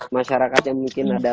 masyarakat yang mungkin ada